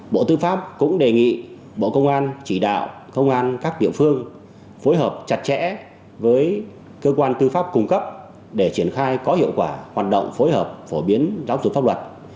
bộ tư pháp cũng đề nghị bộ công an chỉ đạo công an các địa phương phối hợp chặt chẽ với cơ quan tư pháp cung cấp để triển khai có hiệu quả hoạt động phối hợp phổ biến giáo dục pháp luật